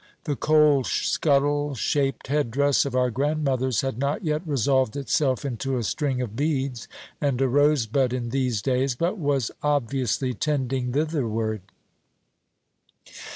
The coalscuttle shaped headdress of our grandmothers had not yet resolved itself into a string of beads and a rosebud in these days, but was obviously tending thitherward.